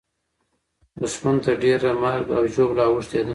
دښمن ته ډېره مرګ او ژوبله اوښتې ده.